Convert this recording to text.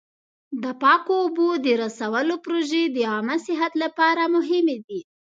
د پاکو اوبو د رسولو پروژې د عامه صحت لپاره مهمې دي.